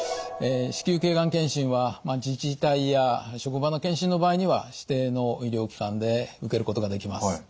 子宮頸がん検診は自治体や職場の検診の場合には指定の医療機関で受けることができます。